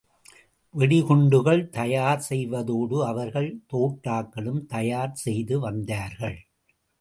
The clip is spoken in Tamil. வெடிகுண்டுகள் தயார் செய்வதோடு அவர்கள் தோட்டக்களும் தயார் செய்து வந்தார்கள்.